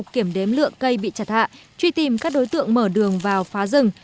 kiểm đếm lượng cây bị chặt hạ truy tìm các đối tượng mở đường vào phá rừng